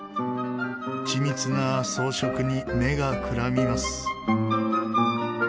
緻密な装飾に目がくらみます。